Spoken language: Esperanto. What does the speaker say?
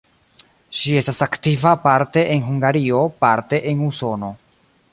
Ŝi estas aktiva parte en Hungario, parte en Usono.